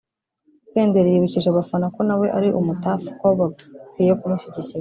Senderi yibukije abafana ko na we ari ‘umu-Tuff’ ko bakwiye kumushyigikira